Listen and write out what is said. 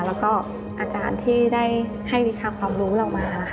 แล้วก็อาจารย์ที่ได้ให้วิชาความรู้เรามาค่ะ